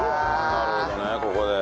なるほどねここで。